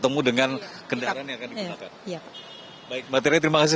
mbak tere terima kasih